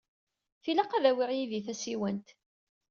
Tilaq ad awiɣ yid-i tasiwant.